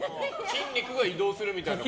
筋肉が移動するみたいなこと。